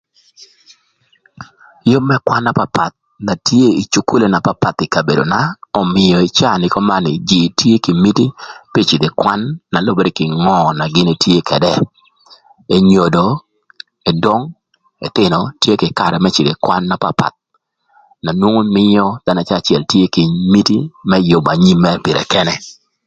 Yüb më kwan na papath na tye ï cukule na papath ï kabedona, ömïö ï caa ni köman nï jïï tye kï miti pï cïdhö ï kwan na lübërë kï ngö na gïn tye ködë. Enyodo, edong, ëthïnö, tye kï karë më cïdhö ï kwan na papath na nwongo mïö dhanö acëlacël tye kï miti më yübö anyim mërë pïrë kënë.